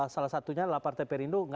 salah satunya lapar tprindo